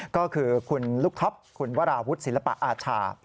ก็คือคุณลูกท็อปคุณวราวุฒิศิลปะอาชา